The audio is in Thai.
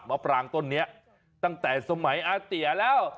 ปรางต้นนี้ตั้งแต่สมัยอาเตี๋ยแล้ว